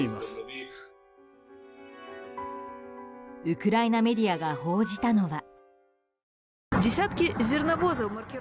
ウクライナメディアが報じたのは。